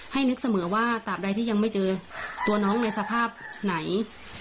นึกเสมอว่าตามใดที่ยังไม่เจอตัวน้องในสภาพไหน